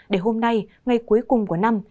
để hôm nay ngày cuối cùng của năm